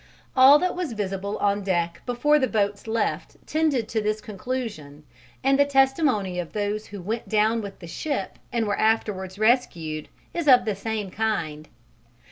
All that was visible on deck before the boats left tended to this conclusion and the testimony of those who went down with the ship and were afterwards rescued is of the same kind.